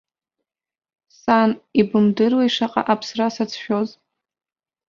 Сан, ибымдыруеи шаҟа аԥсра сацәшәоз?